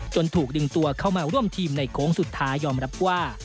ถูกดึงตัวเข้ามาร่วมทีมในโค้งสุดท้ายยอมรับว่า